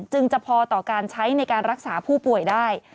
จะพอต่อการใช้ในการรักษาผู้ป่วยได้